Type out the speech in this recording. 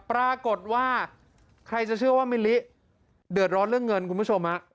ปรากฏว่าใครจะเชื่อว่ามิลิเดือดร้อนเรื่องเงินคุณผู้ชมฮะ